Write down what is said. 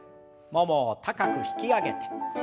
ももを高く引き上げて。